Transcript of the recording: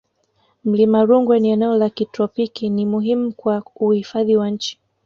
mlima rungwe ni eneo la kitropiki ni muhimu kwa uhifadhi wa nchi